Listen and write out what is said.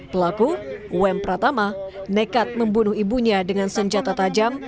pelaku um pratama nekat membunuh ibunya dengan senjata tajam